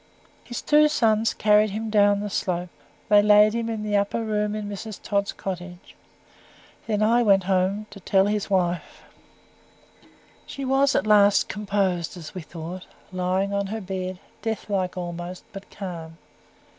His two sons carried him down the slope. They laid him in the upper room in Mrs. Tod's cottage. Then I went home to tell his wife. She was at last composed, as we thought, lying on her bed, death like almost, but calm.